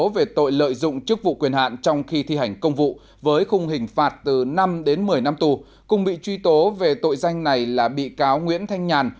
với không hình phạt từ năm đến một mươi năm tù cùng bị truy tố về tội danh này là bị cáo nguyễn thanh nhàn